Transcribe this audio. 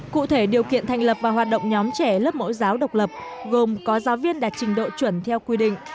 cụ thể điều kiện thành lập và hoạt động nhóm trẻ lớp mẫu giáo độc lập gồm có giáo viên đạt trình độ chuẩn theo quy định